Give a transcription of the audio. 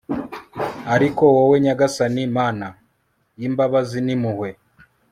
ariko wowe, nyagasani, mana y'imbabazi n'impuhwe